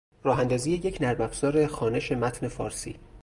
راهاندازی یک نرمافزار خوانش متن فارسی